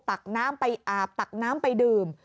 ตักน้ำไปอาบตักน้ำไปดื่ม